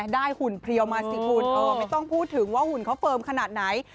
หุ่นเพลียวมาสิคุณไม่ต้องพูดถึงว่าหุ่นเขาเฟิร์มขนาดไหน